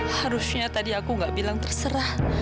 harusnya tadi aku gak bilang terserah